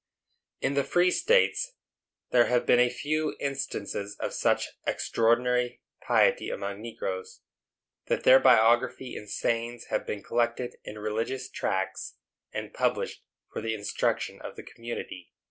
In the free states there have been a few instances of such extraordinary piety among negroes, that their biography and sayings have been collected in religious tracts, and published for the instruction of the community.